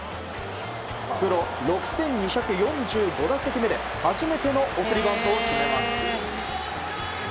プロ６２４５打席目で初めての送りバントを決めます。